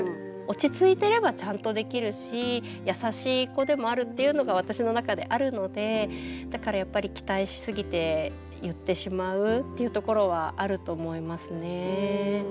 落ち着いてればちゃんとできるし優しい子でもあるっていうのが私の中であるのでだからやっぱり期待しすぎて言ってしまうっていうところはあると思いますね。